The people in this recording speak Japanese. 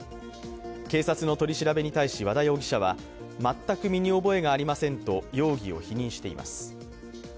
警察の取り調べに対し和田容疑者は全く身に覚えがありませんと容疑を否認しています。